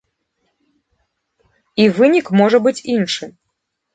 І вынік можа быць іншы.